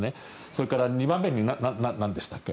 それから２番目になんでしたっけ？